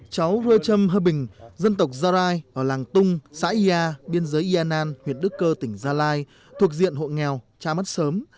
cháu rô trâm hơ bình dân tộc gia lai ở làng tung xã yà biên giới yanan huyện đức cơ tỉnh gia lai thuộc diện hộ nghèo cha mất sớm